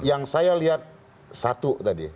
yang saya lihat satu tadi